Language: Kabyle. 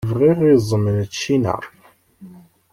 Bɣiɣ iẓem n ččina.